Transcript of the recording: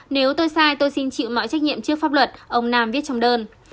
nếu tôi sai tôi xin chịu mọi trách nhiệm trước pháp luật ông nam viết trong đơn